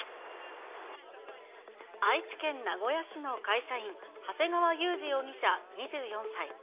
愛知県名古屋市の会社員、長谷川裕司容疑者２４歳。